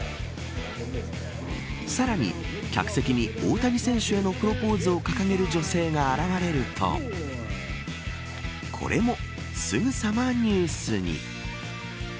さらに客席に大谷選手へのプロポーズを掲げる女性が現れるとこれも、すぐさまニュースに。